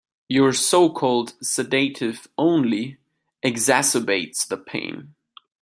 Your so-called sedative only exacerbates the pain.